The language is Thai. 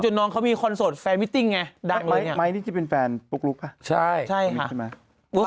ตรงนี้มีคอนโสทไฟล์มิตติ้งมาก